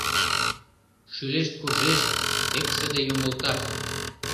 Шӱлешт куржеш, эксыде юмылта: